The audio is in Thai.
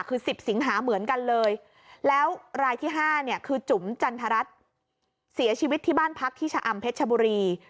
คือ๑๐สิงหาเหมือนกันเลยแล้วรายที่๕เนี่ยคือจุ๋มจันทรัฐเสียชีวิตที่บ้านพักที่ชะอำเพชรชบุรี